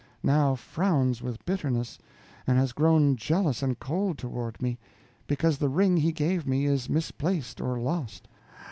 now frowns with bitterness, and has grown jealous and cold toward me, because the ring he gave me is misplaced or lost.